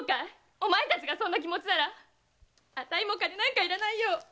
おまえたちがそんな気持ちならあたいも金なんかいらないよ！